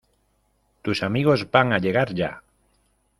Tus amigos van a llegar ya.